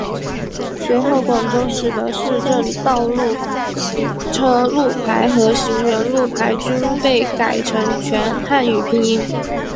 随后广州市的市政道路行车路牌和行人路牌均被改成全汉语拼音。